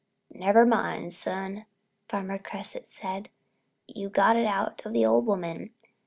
"Never mind, son," Farmer Cresset said, "you got it out of the old woman.